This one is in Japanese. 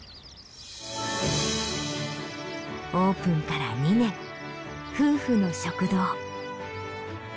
オープンから２年夫婦の食堂。